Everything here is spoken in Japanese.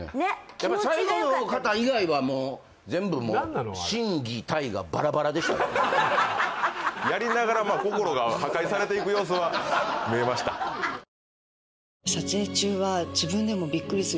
やっぱり最後の方以外はもう全部もうやりながら心が破壊されていく様子は見えましたあれ？